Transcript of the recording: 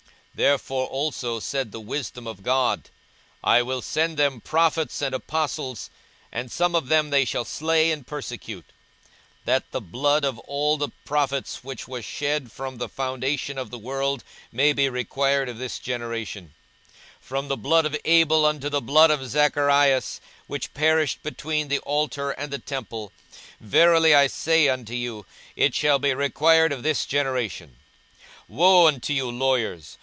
42:011:049 Therefore also said the wisdom of God, I will send them prophets and apostles, and some of them they shall slay and persecute: 42:011:050 That the blood of all the prophets, which was shed from the foundation of the world, may be required of this generation; 42:011:051 From the blood of Abel unto the blood of Zacharias which perished between the altar and the temple: verily I say unto you, It shall be required of this generation. 42:011:052 Woe unto you, lawyers!